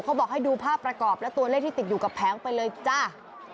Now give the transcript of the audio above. บอกให้ดูภาพประกอบและตัวเลขที่ติดอยู่กับแผงไปเลยจ้า